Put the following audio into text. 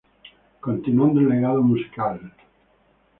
Continuando el legado musical.